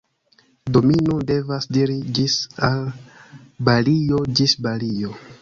Do mi nun devas diri ĝis al Balio - Ĝis Balio!